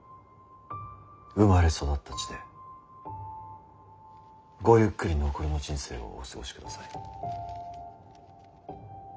生まれ育った地でごゆっくり残りの人生をお過ごしください。